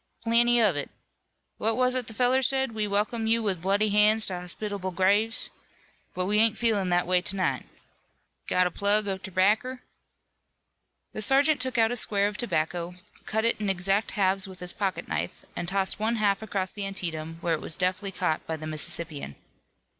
"Plenty of it. What was it the feller said we welcome you with bloody hands to hospitable graves but we ain't feelin' that way to night. Got a plug of terbacker?" The sergeant took out a square of tobacco, cut it in exact halves with his pocket knife, and tossed one half across the Antietam, where it was deftly caught by the Mississippian.